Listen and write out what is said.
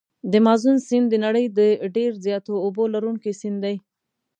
د مازون سیند د نړۍ د ډېر زیاتو اوبو لرونکي سیند دی.